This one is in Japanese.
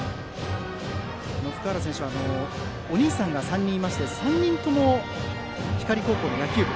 福原選手はお兄さんが３人いて３人とも光高校の野球部。